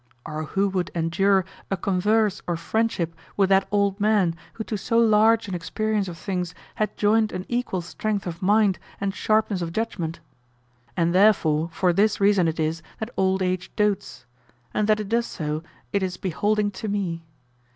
Or who would endure a converse or friendship with that old man who to so large an experience of things had joined an equal strength of mind and sharpness of judgment? And therefore for this reason it is that old age dotes; and that it does so, it is beholding to me.